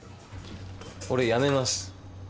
俺辞めます